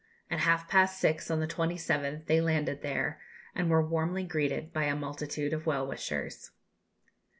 At half past six on the 27th they landed there, and were warmly greeted by a multitude of well wishers.